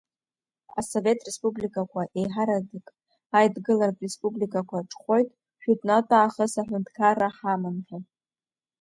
Асовет республикақәа, еиҳарак Аидгылатә республикақәа, ҽхәоит жәытәнатә аахыс аҳәынҭқарра ҳаман ҳәа.